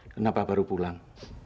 kenapa baru pulang